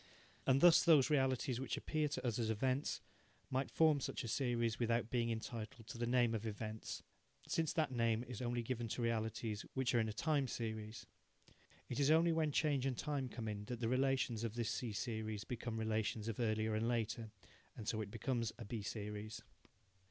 And thus those realities which appear to us as events might form such a series without being entitled to the name of events, since that name is only given to realities which are in a time series. It is only when change and time come in that the relations of this C series become relations of earlier and later, and so it becomes a B series.